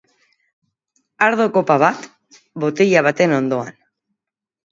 Ardo kopa bat botila baten ondoan.